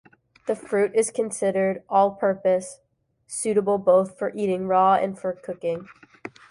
The fruit is considered "all-purpose", suitable both for eating raw and for cooking.